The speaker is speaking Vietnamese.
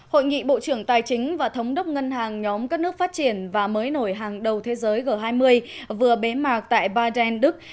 hội nghị bộ trưởng tài chính và thống đốc ngân hàng nhóm các nước phát triển và mới nổi hàng đầu thế giới g hai mươi vừa bế mạc tại bardel đức